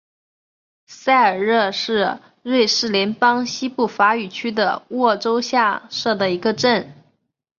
塞尔热是瑞士联邦西部法语区的沃州下设的一个镇。